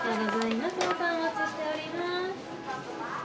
またお待ちしております。